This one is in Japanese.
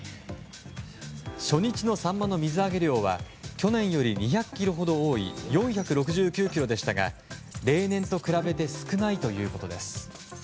初日のサンマの水揚げ量は去年より２００ｋｇほど多い４６９ｋｇでしたが例年と比べて少ないということです。